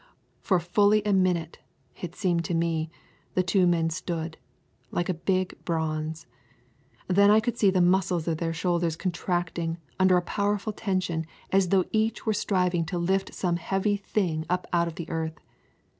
For fully a minute, it seemed to me, the two men stood, like a big bronze. Then I could see the muscles of their shoulders contracting under a powerful tension as though each were striving to lift some heavy thing up out of the earth.